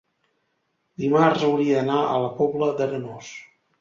Dimarts hauria d'anar a la Pobla d'Arenós.